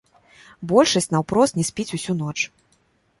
Большасць наўпрост не спіць усю ноч.